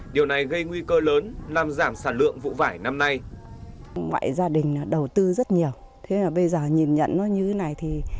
điều này gây nguy cơ lớn làm giảm sản lượng vụ vải năm nay